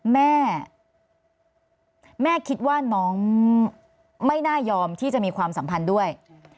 แม่แม่คิดว่าน้องไม่น่ายอมที่จะมีความสัมพันธ์ด้วย